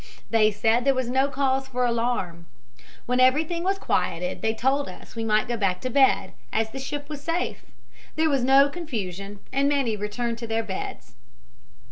They said there was no cause for alarm. When everything was quieted they told us we might go back to bed, as the ship was safe. There was no confusion and many returned to their beds.